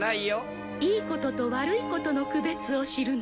「いいことと悪いことの区別を知るの」